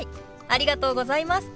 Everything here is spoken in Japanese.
ありがとうございます。